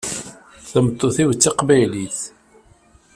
Tameṭṭut-iw d taqbaylit.